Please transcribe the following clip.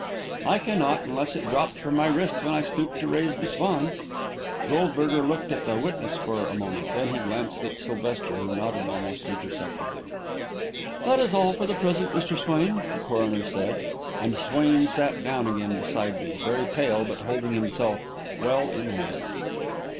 "I cannot, unless it dropped from my wrist when I stooped to raise Miss Vaughan." Goldberger looked at the witness for a moment, then he glanced at Sylvester, who nodded almost imperceptibly. "That is all for the present, Mr. Swain," the coroner said, and Swain sat down again beside me, very pale, but holding himself well in hand.